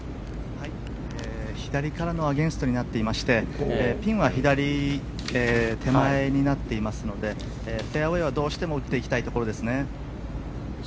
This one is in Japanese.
左からのアゲンストになっていましてピンは左手前になっていますのでフェアウェーは、どうしても打っていきたいところですね。